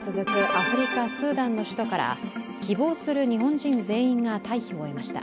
アフリカ・スーダンの首都から希望する日本人全員が退避を終えました。